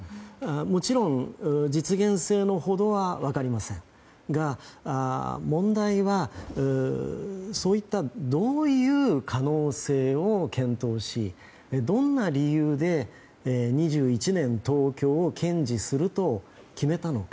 もちろん、実現性のほどは分かりませんが問題は、そういったどういう可能性を検討しどんな理由で２１年東京を堅持すると決めたのか。